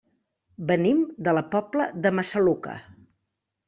Venim de la Pobla de Massaluca.